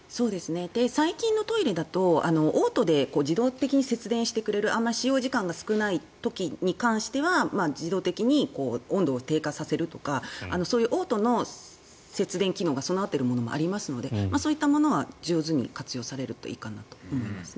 最近のトイレだとオートで自動的に節電してくれる使用時間が少ない時に関しては自動的に温度を低下させるとかそういうオートの節電機能が備わっているものもありますのでそういったものは上手に活用されるといいかなと思います。